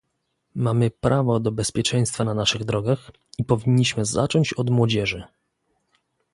Mamy prawo do bezpieczeństwa na naszych drogach i powinniśmy zacząć od młodzieży